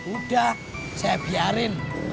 udah saya biarin